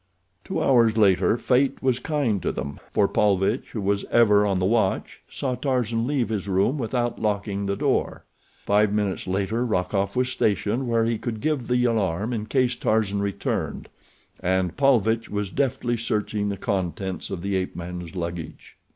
Two hours later fate was kind to them, for Paulvitch, who was ever on the watch, saw Tarzan leave his room without locking the door. Five minutes later Rokoff was stationed where he could give the alarm in case Tarzan returned, and Paulvitch was deftly searching the contents of the ape man's luggage.